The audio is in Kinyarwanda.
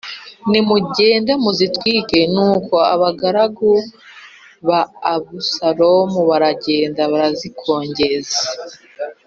nimugende muzitwike.” Nuko abagaragu ba Abusalomu baragenda barazikongeza.